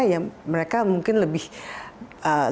ya mereka mungkin lebih